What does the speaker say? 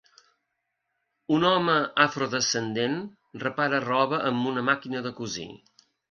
Un home afrodescendent repara roba amb una màquina de cosir